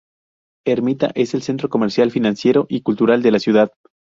Ermita es el centro comercial, financiero y cultural de la ciudad.